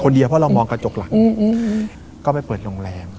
เดียวเพราะเรามองกระจกหลังก็ไปเปิดโรงแรม